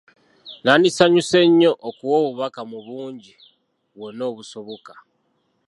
Nandisanyuse nnyo okuwa obubaka mu bungi bwonna obusoboka.